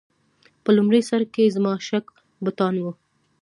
په لومړي سر کې زما شک بتان و.